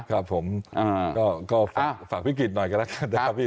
ครับผมก็ฝากพี่กิจหน่อยกันแล้วกันนะครับพี่